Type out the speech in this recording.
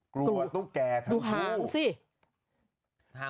กลัวว่าตุ๊กแก่ทั้งคู่